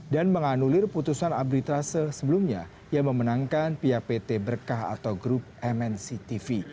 dan menganulir putusan amri trase sebelumnya yang memenangkan pihak pt berkah atau grup mnc tv